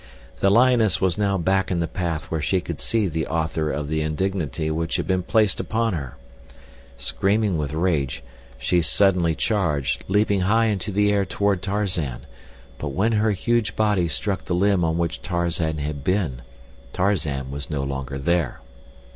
The lioness was now back in the path where she could see the author of the indignity which had been placed upon her. Screaming with rage she suddenly charged, leaping high into the air toward Tarzan, but when her huge body struck the limb on which Tarzan had been, Tarzan was no longer there.